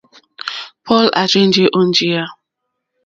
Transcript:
Paul à rzênjé ó njìyá.